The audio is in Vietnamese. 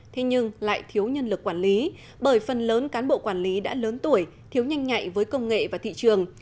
thế nhưng lại thiếu nhân lực quản lý bởi phần lớn cán bộ quản lý đã lớn tuổi thiếu nhanh nhạy với công nghệ và thị trường